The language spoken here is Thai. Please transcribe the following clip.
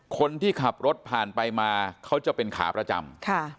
คนที่ขับรถผ่านไปมาเขาจะเป็นขาประจำ